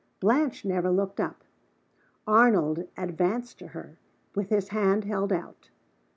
Blanche never looked up. Arnold advanced to her, with his hand held out.